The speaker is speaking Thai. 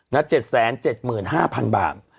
๗๗๕๐๐๐บาท